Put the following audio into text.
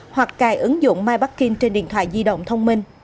hoặc cài ứng dụng myparking trên điện thoại di động thông minh